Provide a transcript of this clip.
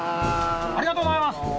ありがとうございます。